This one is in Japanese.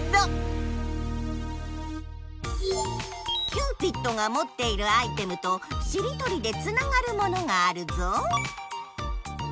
キューピッドがもっているアイテムとしりとりでつながるものがあるぞ！